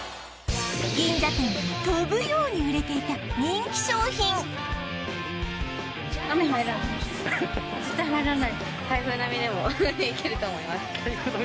銀座店でも飛ぶように売れていた人気商品と思います